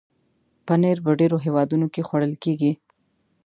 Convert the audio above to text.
پنېر په ډېرو هېوادونو کې خوړل کېږي.